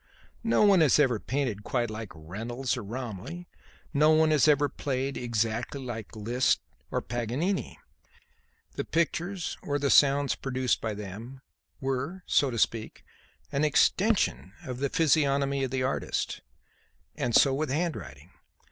No one has ever painted quite like Reynolds or Romney; no one has ever played exactly like Liszt or Paganini; the pictures or the sounds produced by them, were, so to speak, an extension of the physiognomy of the artist. And so with handwriting.